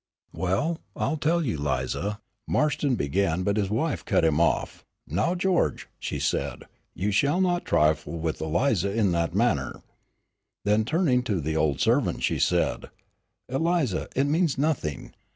"Well, I'll tell you, Lize," Marston began, but his wife cut him off. "Now, George," she said, "you shall not trifle with Eliza in that manner." Then turning to the old servant, she said: "Eliza, it means nothing.